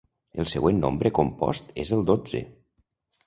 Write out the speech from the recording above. El següent nombre compost és el dotze.